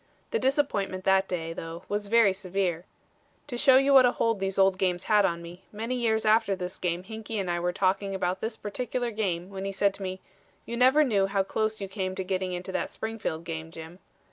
The disappointment that day, though, was very severe. To show you what a hold these old games had on me, many years after this game Hinkey and I were talking about this particular game, when he said to me: 'You never knew how close you came to getting into that Springfield game, Jim.'